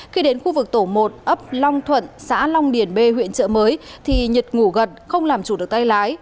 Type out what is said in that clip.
khi đến khu vực tổ một ấp long thuận xã long điền b huyện trợ mới thì nhật ngủ gật không làm chủ được tay lái